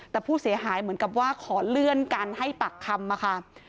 แต่ผู้เสียหายเหมือนกับว่าขอเลื่อนการให้ปากคำมาค่ะ